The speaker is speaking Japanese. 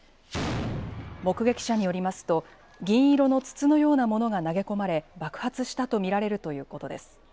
目撃者によりますと銀色の筒のようなものが投げ込まれ爆発したと見られるということです。